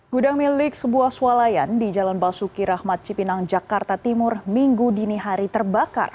gudang milik sebuah swalayan di jalan basuki rahmat cipinang jakarta timur minggu dinihari terbakar